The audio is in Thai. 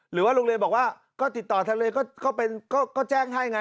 หรือว่าโรงเรียนบอกว่าก็ติดต่อทะเลก็แจ้งให้ไง